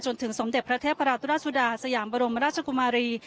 สมเด็จพระเทพราตุราชสุดาสยามบรมราชกุมารี